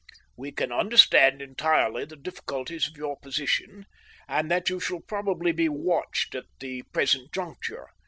"We can understand entirely the difficulties of your position, and that you shall possibly be watched at the present juncture.